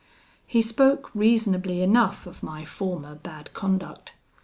He spoke reasonably enough of my former bad conduct.